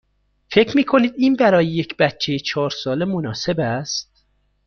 فکر می کنید این برای یک بچه چهار ساله مناسب است؟